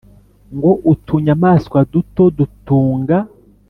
ngo utunyamaswa duto dutunga,